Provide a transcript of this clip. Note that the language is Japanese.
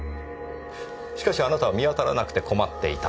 しかしあなたは見当たらなくて困っていた。